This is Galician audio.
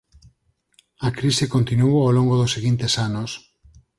A crise continuou ao longo dos seguintes anos.